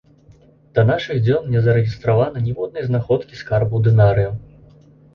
Да нашых дзён не зарэгістравана ніводнай знаходкі скарбаў дынарыяў.